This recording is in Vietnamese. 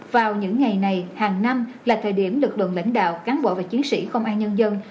vào những ngày này hàng năm là thời điểm lực lượng lãnh đạo cán bộ và chiến sĩ công an nhân dân